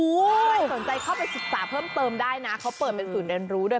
ใครสนใจเข้าไปศึกษาเพิ่มเติมได้นะเขาเปิดเป็นศูนย์เรียนรู้ด้วย